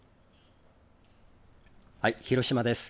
広島です。